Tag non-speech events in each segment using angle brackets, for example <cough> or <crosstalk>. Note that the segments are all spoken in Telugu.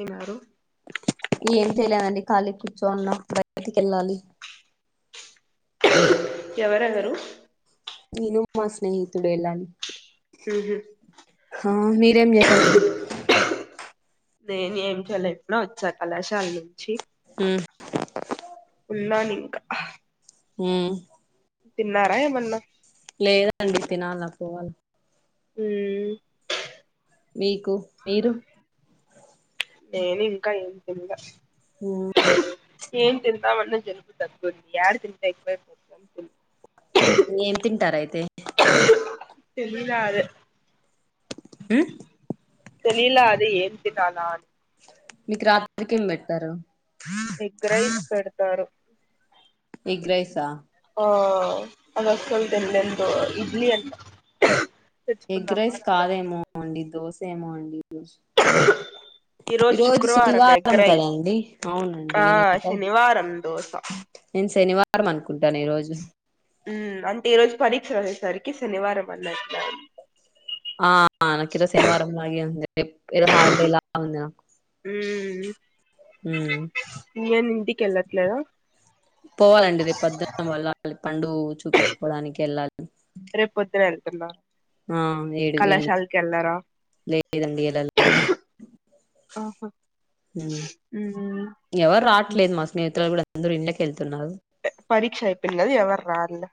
ఏనారు ఏం చేయలేదండి ఖాళీగా కూర్చోన్న బయటికి వెళ్ళాలి ఎవరెవరు నేను మా స్నేహితుడు ఎల్లాలి ఉహు మీరేం చేస్తున్నారు నేను ఏం చేయలే ఇప్పుడే వచ్చా కళాశాల నుంచి ఉమ్ ఉన్నా నింకా ఉమ్ తిన్నారా ఏమన్నా లేదండి తినాలి అప్పటికల ఉమ్ మీకు మీరు నేను ఇంకా ఏం తిన్లే ఉమ్ ఏం తిందామన్న జలుపు తగ్గుది ఏడా తింటా ఇప్పుడు ఏం తింటారయితే చేందు గాడ్ ఉమ్ తెలిలే అది ఏంటిదా అని మీకు రాత్రికేమీ పెడతారు ఎగ్ రైస్ పెడతారు ఏగ్ రైస్ ఆ ఆ <unintelligible> అసలు తినలేము ఇడ్లీ అంట ఎగ్ తెచ్చుకుందామా రైస్ అని ఆలోచిస్తాను కాదేమో అండి దోశ ఏమో అండి ఈరోజు హ ఈ రోజు శుక్రవారం ఎగ్ రైస్ కదండి అవునండి ఆ నేను ఇంకా శనివారం దోశ నేను శనివారం అనుకుంటున ఈ రోజు ఉమ్ అంటే ఈ రోజు పరీక్షలు అనేసరికి శనివారం అన్నట్లే ది ఆ నాకు ఈరోజు శనివారం లాగే ఉంది ఈరోజు హాలిడే లాగా ఉంది నాకు ఉమ్ ఇంకేంది ఇంటికి వెళ్ళట్లేదా పోవాలండి రేపు పొద్దున వాళ్ళ పండు చూపించుకోవడానికి వెళ్ళాలి రేపు పొద్దున వెళ్తున్నా ఆ ఏడు ఏనిమిరి లేదండి అలా లేదు హు ఉ ఎవరు రావట్లేదు మా స్నేహితులు కూడ అందరు ఇండ్లకు వెళ్తున్నారు పరీక్ష అయిపోయింది కదా ఎవరూ రారూలే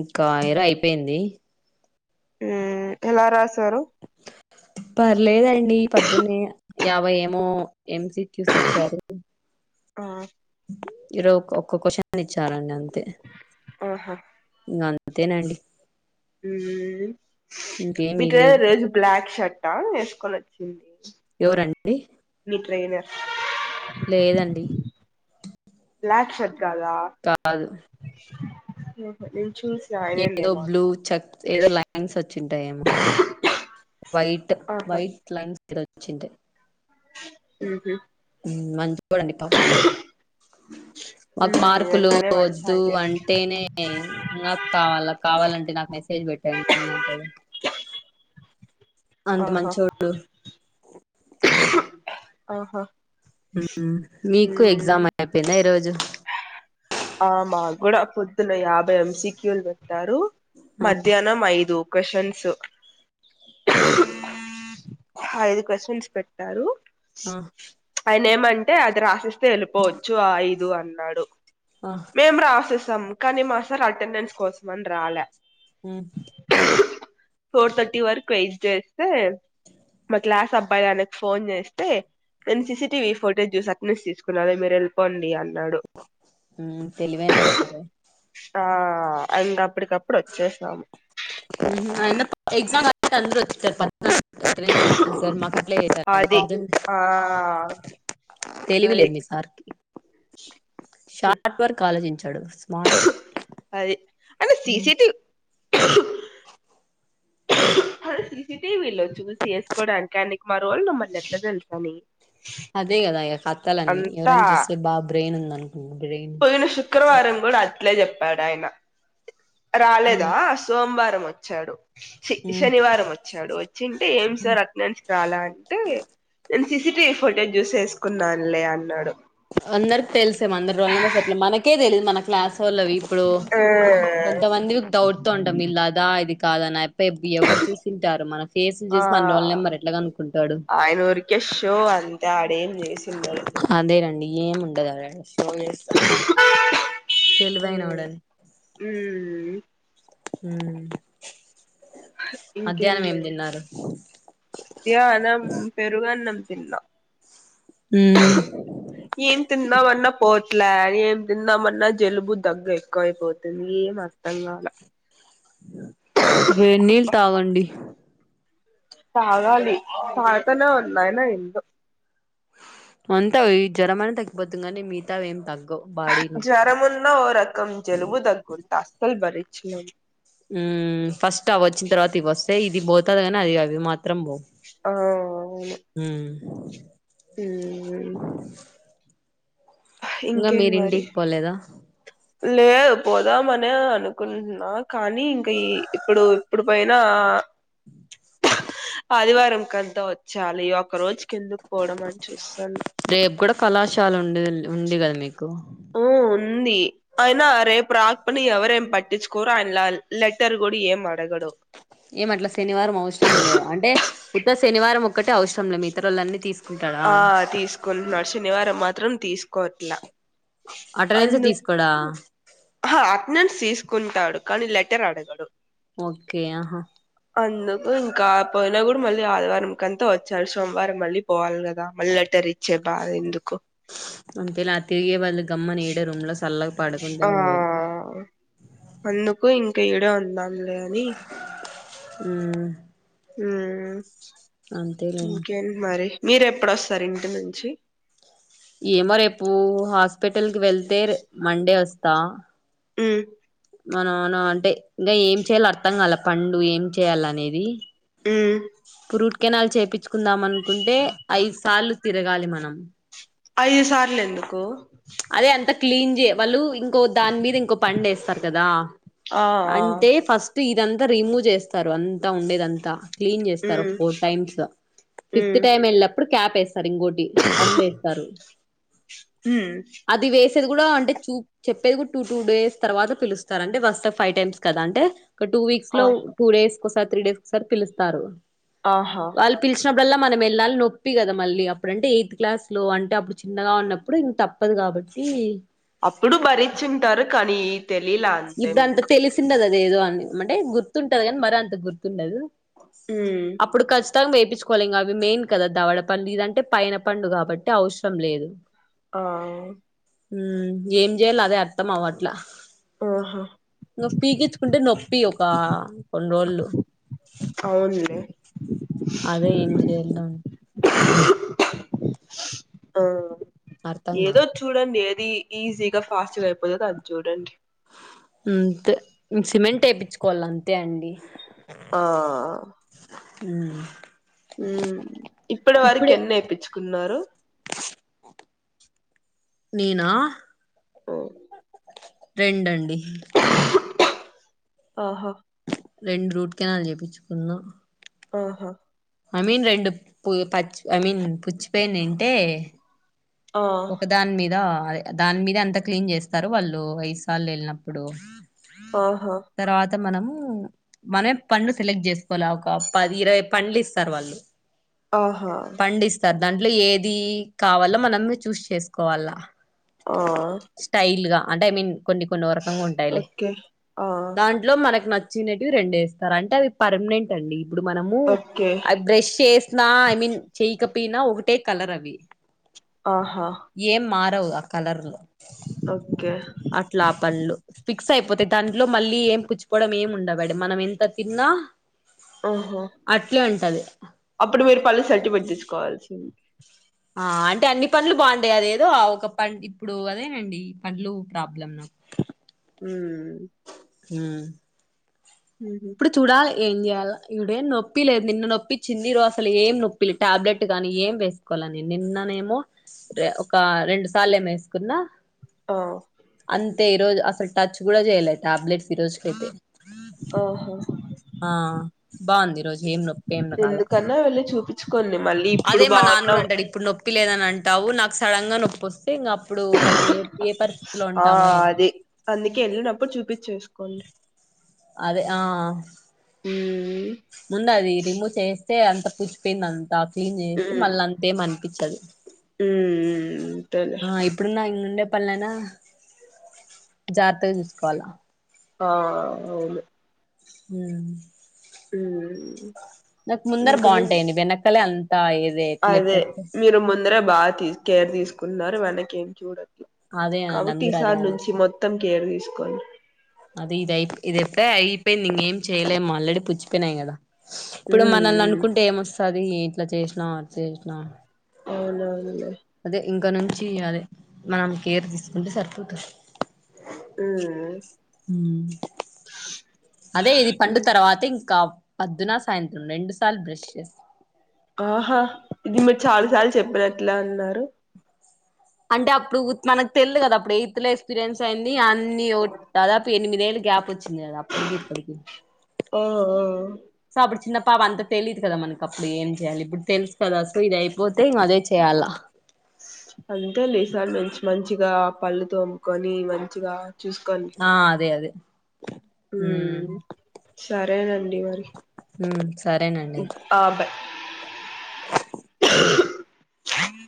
ఇంకా ఈ ఇయర్ అయిపోయింది ఉ ఎలా రాసారు పర్లేదండి పొద్దున్నీ యాభై ఏమో ఎం సి క్యూస్ ఇచ్చారు ఆ ఈరో ఒక్క క్వశ్చ ఇచ్చారండి అంతే ఆహా ఇంగ అంతేనండి ఇంకేమి <unintelligible> లేదు రోజు బ్లాక్ షర్టా వేసుకొని వచ్చింది ఎవరండి ని ట్రెయినర్ లేదండి బ్లాక్ షర్ట్ కాదా కాదు ఓహ నేను చూస ఏదో బ్లూ చక్ ఏదో లైన్స్ వచ్చింటాయ్ ఏమో వైట్ ఆహా వైట్ <unintelligible> ఉహు <unintelligible> మాకు ఉమ్ మార్కులు నిజంగానే మంచి వద్దు ఆయనే అంటేనే నాకు కావాల కావాలంటే నాకు మెసేజ్ పెట్టండి అంటది అంత ఆహా మంచోడు ఆహా మీకు ఉమ్ ఎగ్జామ్ అయిపోయింద ఈ రోజు ఆ మాగుడ పొద్దున యాభై ఎంసిక్యూలు పెట్టారు మధ్యానం ఐదు క్వషన్సు ఐదు క్వశన్స్ పెట్టారు ఆ, ఆయన ఏమంటే అది రాసిస్ తెలిపోవచ్చు ఆ ఐదు అన్నాడు ఆ మేం రాసేసాం కానీ మా సార్ అటెండెన్స్ కోసం అని రాలే ఉ ఫోర్ థర్టీ వరకు వెయిట్ చేస్తే మా క్లాస్ అబ్బాయిందరికి ఫోన్ చేస్తే నేను సీసీటీవీ ఫోటేజ్ చూసి అటన్స్ అక్క నుంచి తీసుకున్నా లే మీరు వెళ్ళిపో పొండి అన్నాడు మ్మ్, తెలివైన సరే ఆ ఇంగ అప్పటికప్పుడు వచ్చేసాము అయిన వచ్చింటారు అందరు వచ్చంటారు పద్మాకర్ సార్ మాకు అప్లై అతారండి అది పద్దెనిమిది ఆ తెలివి అది లేదు మీ సార్కి షార్ట్ వర్క్ ఆలోచించాడు స్మార్ట్ అదే అంటే సిసిటివి సీసీటీవీ లో చూసి వేసుకోవడానికి ఆయనకి మా రోల్ నంబర్లు ఎట్ల తెలుసని అదే కదా ఇగ కథలన్నీ ఎవర అంతా అన్న చూస్తే బాగా బ్రెయిన్ ఉంది అనుకుంటారు బ్రెయిన్ పోయిన శుక్రవారం కూడా అట్లే చెప్పాడు ఆయన ఉమ్. రాలేదా సోమవారం వచ్చాడు చి శనివారం వచ్చాడు వచ్చింటే ఏం సార్ అ నుంచికి చాలా అంటే నేను సీసిటివీ ఫోటేజ్ చూసేసుకున్నానులే అన్నాడు అందరికి తెలిసామో అందరి రోల్ నెంబర్స్ మనకే తెలీదు మన క్లాసోళ్ళవి ఇప్పుడు ఆ కొంతమంది డౌట్ తో ఉంటం వీళ్ళదా ఇది కాదని పెబ్బి ఎవరు చూసింటారు మన ఫేసులు ఆ చూసి మన రోల్ నెంబర్ ఎట్ల కనుక్కుంటాడు వో అంతే ఆడ ఏం జేసిండడు అదేనండి ఏము ఉండది అడ షాప్ ఏస్తే తెలివైనోడు ఉమ్ అన్ హ్మ్ ఇంకేంటి మధ్యాహ్నం ఏం మరి తిన్నారు మధ్యాహ్నం పెరుగు అన్నం తిన్న హ్మ్ ఏం తిందామన్నా పోట్లే ఏం తిందామన్నా జలుబు దగ్గు ఎక్కువ అయిపోతుంది ఏమి అర్థం అర్థం కాలే వేడి నీళ్లు అబ్బా తాగండి తాగాలి తాగుతూనే ఉన్న అయినా ఎందో అంతా ఈ జ్వరమన్న తగ్గిపోతుంది కానీ మిగితవి ఏం తగ్గవు బాడీ నొప్పి జ్వరమున్న ఓ రకం జలుబు దగ్గు ఉంటే అస్సలు భరించలేం ఉ ఫస్ట్ అవి వచ్చిన తర్వాత ఇవి వస్తే ఇది పోతుంది కానీ అది అవి మాత్రం పోవు ఆ అవును వ్మ్ హ్మ్ అ ఇంకేంది మరి మీరింటికి పోలేదా లేదు పోదామనే అనుకుంటున్నా కానీ ఇంకా ఈ ఇప్పుడు ఇప్పుడు పోయినా <inaudible> ఆదివారం కంత వచ్చేయాలి ఒక రోజుకి ఎందుకు పోవడం అని చూస్తున్నా రేపు కూడా కళాశాల ఉండేది ఉంది కదా మీకు ఆ ఉంది అయినా రేపు రాకపోని ఎవరేం పట్టించుకోరు ఆయన లే లెటర్ కూడా ఏం అడగడు ఏమట్ల శనివారం అవసరంలే అంటే ఉత్త శనివారం ఒక్కటే అవసరంలే మిగతా రోజులన్నీ తీసు ఆ తీసుకుంటున్నాడు శనివారం మాత్రం తీసుకోట్లా అటెండెన్స్ తీసుకోడా హ అటెండెన్స్ తీసుకుంటాడు కానీ లెటర్ అడగడు ఓకే ఆహా అందుకు ఇంకా పోయినా కూడా మళ్ళీ ఆదివారం కంతా వచ్చేయాలి సోమవారం మళ్ళీ పోవాలి కదా మళ్ళీ లేట్టరి చ్చే బాధ ఎందుకు అంతేలే ఆ తిరిగే బదులు గమ్మున ఈ ఈడే రూమ్ లో సల్లగా ఆ పడుకుంటేనే మేలు అందుకు ఇంకా ఈడే ఉందాంలే అని ఉమ్ ఉమ్ అంతేలేండి ఇంకేంటి మరి మీర ఎప్పుడొస్తారు ఇంటి నుంచి ఏమో రేపు హాస్పిటల్కి వెళ్తే మండే వస్తా వ్మ్ మనాన అంటే ఇంకా ఏం చేయలో అర్థం కాల పండూ ఏం చేయాల అనేది హ్మ్ రూట్ కెనాల్ చేపీంచుకుందాం అనుకుంటే ఐదు సార్లు తిరగాలి మనం ఐదు సార్లు ఎందుకు అదే అంత క్లీన్ చేయ వాళ్ళు ఇం ఇంకో దాని మీద ఇంకో పన్ను వేస్తారు కదా ఆ ఆ అంటే ఫస్ట్ ఇదంతా రిమూవ్ చేస్తారు అంతా ఉండేదంతా క్లీన్ చేస్తారు ఒక ఉమ్ four times fifth um time వెళ్ళినప్పుడు క్యాప్ వేస్తారు ఇంకోటి పన్ను వేస్తారు హ్మ్ అది వేసేది కూడా అంటే చూప్ చెప్పేది కూడా టూ టూ డేస్ తర్వాత పిలుస్తారు అంటే ఫస్ట్ ఫైవ్ టైమ్స్ కదా అంటే ఓటూ వీక్స్ ఆ లో టూ డేస్ ఒకసారి త్రీ డేస్ కి ఒకసారి పిలుస్తారు ఆహా వాళ్ళు పిలిచినప్పుడల్లా మనం వెళ్ళాలి నొప్పి కదా మళ్ళీ అప్పుడంటే ఎయిత్ క్లాస్లో అంటే అప్పుడు చిన్నగా ఉన్నప్పుడు ఇంక తప్ తప్పదు కాబట్టి అప్పుడు భరిచి ఉంటారు కానీ తెలీలా అంతే ఇబ్బంది మీకు తెలిసిందదో ఏదో అని అంటే గుర్తుంటది కానీ మరి అంత గుర్తుండదు ఉమ్ అప్పుడు ఖచ్చితంగా వేపించుకోవాలింక అవి మెయిన్ కదా దవడ పండు ఇదంటే పైన పండు కాబట్టి అవసరం లేదు ఆ హ్మ్ ఏం చేయలో అదే అర్థం అవ్వట్ల ఆహా నువ్ పీకిచ్చుకుంటే నొప్పి ఒక కొన్ని రోజులు ఆవున్లే అదే ఏం చేయాల అని ఆ అర్థం ఏదో కాదు చూడండి ఏది ఈజీగా ఫాస్ట్ గా అయిపోతదో అది చూడండి అంతే సిమెంట్ వేపించుకోవాలి అంతే అండి ఆ హ్మ్ హ్మ్ ఇప్పటి వరకు ఎన్ని ఎపీంచుకున్నారు నేనా ఆ రెండండి ఆహా రెండు రూట్ కెనాల్ చేపించుకున్న ఆహా ఐ మీన్ రెండు ప పచ్చి ఐ మీన్ పుచ్చిపోయినయి ఉంటే ఆ ఒక దాని మీద దాని మీద అంత క్లీన్ చేస్తారు వాళ్ళు ఐదు సార్లు వెళ్ళినప్పుడు ఓహో తర్వాత మనము మన పళ్ళు సెలెక్ట్ చేసుకోవాలి ఒక పది ఇరవై పళ్ళు ఇస్తారు వాళ్ళు ఆహా పండిస్తారు దాంట్లో ఏది కావాలో మనమే చూస్ చేసుకోవాలా ఆ స్టైల్ గా అంటే ఐ మీన్ కొన్ని కొన్నోరకంగా ఉంటాయిలే ఓకే ఆ దన్ లో మనకి నచ్చినవి రెండు వేస్తారు అంటే అవి పర్మనెంట్ డండి ఇప్పుడు మనము ఓకే ఆ బ్రష్ చేస్ నా ఐ మీన్ చెయికపోయినా ఒకటే కలర్ అవి ఆహా ఏం మారవు ఆ కలర్లో ఓకే అట్లా ఆ పళ్ళు ఫిక్స్ అయిపోతాయి దాంట్లో మళ్ళీ ఏం పుచ్చుపోడం ఏమి ఉండవడి మనం ఎంత తిన్నా ఆహా అట్లే ఉంటది అప్పుడు మీరు పళ్ళు సెట్ పెట్టించుకోవాల్సింది ఆ అంటే అన్ని పండ్లు బాగుంటాయి అదేదో ఒక పం ఇప్పుడు అదే అండి పండ్లు ప్రాబ్లం నం ఉ హు ఉహు చూడాలి ఏం చేయాలో ఇప్పుడెం నొప్పి లేదు నిన్న నోపించింది ఈ రోజు అసలు ఏం నొప్పి టాబ్లెట్ కానీ ఏం వేస్ కోలని నిన్ననేమో ఒక రెండు సార్లు ఏమో వేసుకున్నా ఆ అంతే ఈ రోజు అసలు టచ్ కూడా చేయ్యాలే టాబ్లెట్స్ ఈ రోజుకైతే ఆహా ఆ బాగుంది ఈ రోజు ఏం నొప్పి ఏం రాలా డే వెళ్ళి చూపించుకోండి మరి అదే మా నాన్న కూడా అంటాడు ఇప్పుడు నోప్ నొప్పి లేదని అంటావు నాకు సడన్ గా నొప్పొస్తే ఇంగ అప్పుడు మనం ఏ ఏ పరిస్థితిలో ఆ ఉంటామో ఏ అదే అందుకే వెళ్ళినప్పుడు చూపించేసుకోండి అదే ఆ ఉమ్ ముందు అది రిమూవ్ చేస్తే అంత పుచ్చిపోయింది అం తా క్లీన్ చేస్తే మళ్ళ అంతే అనిపించదు ఉ ఉ తేల్స్ ఆ ఇప్పుడున్న ఇన్ ఉండే పెళ్లయిన జాగ్రత్తగా చూసుకోవాలా ఆ అవును హు ఉ నాకు ముందర బాగుంటాయండి వెనకాల అంత ఏదే అదే మీరు ముందర బాగా కేర్ తీసుకున్నారు వెనకి ఏం చూడరూ అదే అండి కాబట్టి అందరు అదే ఈసారి అండి నుంచి మొత్తం కేర్ తీసుకోవాలి అదే ఇదయి ఇది అయితే అయిపోయింది ఇంగేం చేయలేం ఆల్ల్రడీ పుచ్చిపోయినాయి కదా ఇప్పుడు మనల్ని అనుకుంటే ఏమొస్తది ఇంట్లా చేసినావు అట్లా చేసినావు అవునవునలే అదే ఇంకా నుంచి అదే మనం కేర్ తీసుకుంటే సరిపోతుంది ఉమ్. హ్మ్ అదే ఇది పండు తర్వాత ఇంకా పద్దున సాయంత్రం రెండు సార్లు బ్రష్ చేస్ ఆహా ఇది మీరు చాలా సార్లు చెప్పినట్లా అన్నారు అంటే అప్పుడు మనకు తెల్దు కదా అప్పుడు ఎయిత్ లెస్ ఎక్స్పీరియన్స్ అయింది. నీ ఓట్ దాదాపు ఎనిమిదేళ్ళ గ్యాప్ వచ్చింది గదా అప్పడకి ఇప్పడకిీ ఓహోహ్ సో అబ్బుడు చిన్న పాప అంత తెలీదు కదా మనకి అప్పుడు ఏం చేయాలి ఇప్పుడు తెలుసు కదా సో ఇది అయిపోతే ఇంక అదే చేయాలా. స్ అంతే లే సార్ మంచ్ మంచిగా పళ్ళు తోమ్ముకొని మంచిగా చూసుకనీ ఆ అదే అదే ఉహ్ ఉమ్. సరేనండి ఉహ్ సరేనండి అయితే బాబే